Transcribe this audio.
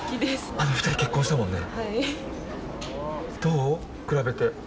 あの２人、結婚したもんね。